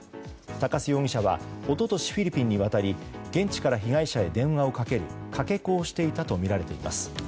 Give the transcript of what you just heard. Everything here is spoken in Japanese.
鷹巣容疑者は一昨年フィリピンに渡り現地から被害者へ電話をかけるかけ子をしていたとみられています。